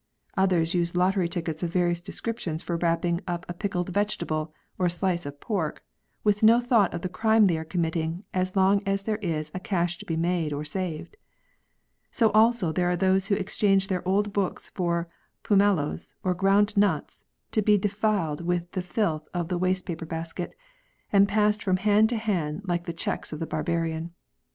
Others use lottery tickets of various descriptions for wrapping up a pickled vegetable or a slice of pork, with no thought of the crime they are committing as long as there is a cash to be made or saved. So also there are those who exchange their old books for pumeloes or ground nuts, to be defiled with the filth of the waste paper basket, and passed from hand to hand like the cheques of the barbarian.